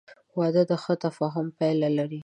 • واده د ښه تفاهم پایله لري.